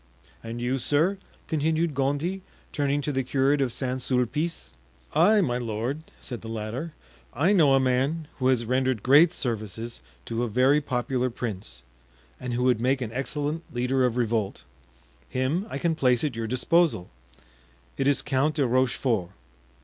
"And you, sir?" continued Gondy, turning to the curate of St. Sulpice. "I, my lord," said the latter, "I know a man who has rendered great services to a very popular prince and who would make an excellent leader of revolt. Him I can place at your disposal; it is Count de Rochefort."